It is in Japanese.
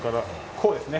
こうですね。